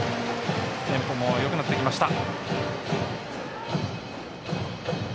テンポもよくなってきました。